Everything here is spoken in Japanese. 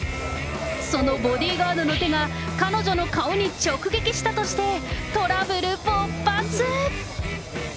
そのボディーガードの手が彼女の顔に直撃したとして、トラブル勃発。